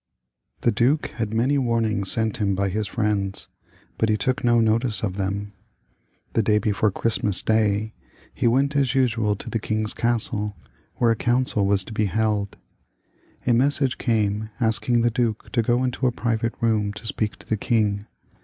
The duke had many warnings sent him by his friends, but he took no notice of them. The day before Christmas 294 HENRY II L [ch. * Day he went as usual to the king's castle, where a council was to be held^ A message came asking the duke to go into a private room to speak to the king.